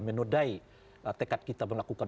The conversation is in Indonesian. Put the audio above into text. menodai tekad kita melakukan